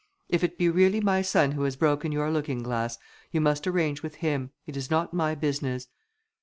If it be really my son who has broken your looking glass, you must arrange with him, it is not my business."